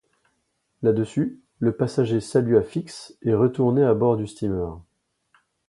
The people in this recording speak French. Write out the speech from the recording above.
Là-dessus, le passager salua Fix et retourna à bord du steamer.